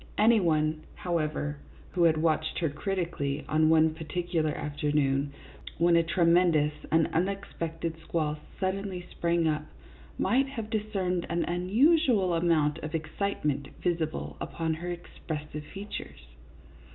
Any one, however, who had watched her criti cally on one particular afternoon, when a tremen dous and unexpected squall suddenly sprang up, might have discerned an unusual amount of excite ment visible upon her expressive features.